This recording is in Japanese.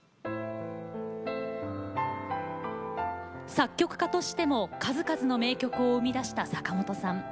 作曲家としても数々の名曲を生み出した坂本さん。